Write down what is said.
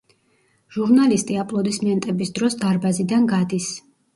ჟურნალისტი აპლოდისმენტების დროს დარბაზიდან გადის.